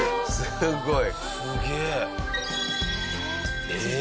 すごい。